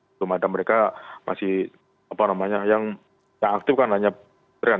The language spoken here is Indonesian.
belum ada mereka masih apa namanya yang aktif kan hanya tren